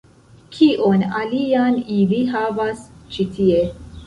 Kion alian ili havas ĉi tie